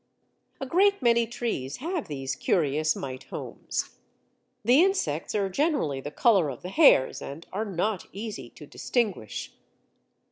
A great many trees have these curious mite homes. The insects are generally the colour of the hairs, and are not easy to distinguish.